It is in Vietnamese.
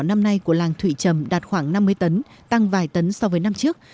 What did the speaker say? năm nay của làng thụy trầm đạt khoảng năm mươi tấn tăng vài tấn so với năm trước